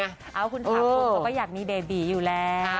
เอาคุณฐานผมก็อยากมีเดดีอยู่แล้ว